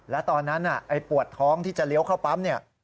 แล้วตอนนั้นไอ้ปวดท้องที่จะเลี้ยวเข้าปั๊มเนี่ย